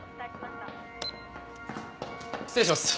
失礼します。